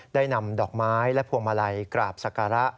ได้นำดอกไม้และพวงมาลัยกราบศักระ